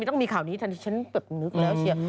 ต้องมีข่าวนี้ฉันแบบนึกแล้วเชียว